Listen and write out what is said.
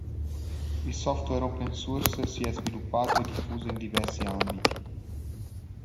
Il software Open Source si è sviluppato e diffuso in diversi ambiti.